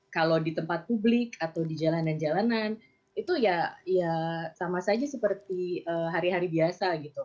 kalau di tempat publik atau di jalanan jalanan itu ya sama saja seperti hari hari biasa gitu